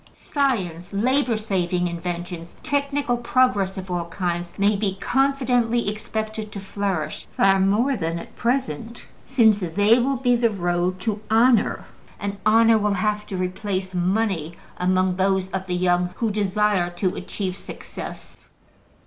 Science, labor saving inventions, technical progress of all kinds, may be confidently expected to flourish far more than at present, since they will be the road to honor, and honor will have to replace money among those of the young who desire to achieve success.